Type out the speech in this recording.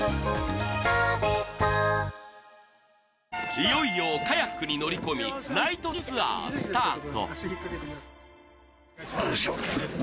いよいよカヤックに乗り込みナイトツアー、スタート。